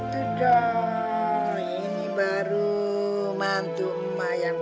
rahmi banget ya